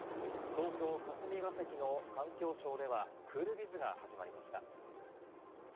東京・霞が関の環境省ではクールビズが始まりました。